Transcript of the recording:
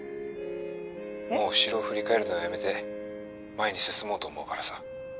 もう後ろを振り返るのはやめて前に進もうと思うからさ。